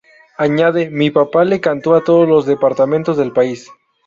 Añade: “Mi papá le cantó a todos los departamentos del país.